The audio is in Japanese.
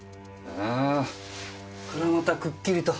あこりゃまたくっきりと。